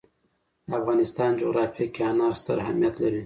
د افغانستان جغرافیه کې انار ستر اهمیت لري.